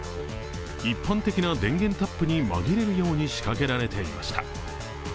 一般的な電源タップにまぎれるように仕掛けられていました。